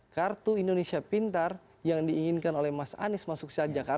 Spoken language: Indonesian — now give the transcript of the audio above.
kartu indonesia pintar yang diinginkan oleh mas anies masuk saat jakarta